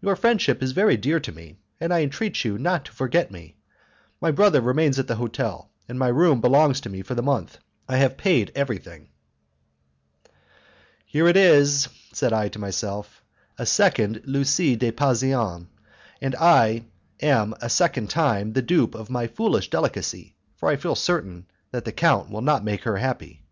Your friendship is very dear to me, and I entreat you not to forget me. My brother remains at the hotel, and my room belongs to me for the month. I have paid everything." "Here is," said I to myself, "a second Lucie de Pasean, and I am a second time the dupe of my foolish delicacy, for I feel certain that the count will not make her happy.